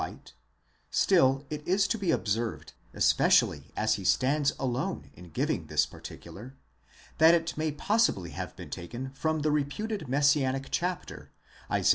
light : still it is to be observed, especially as he stands alone in giving this particular, that it may possibly have been taken from the reputed messianic chapter, Isa.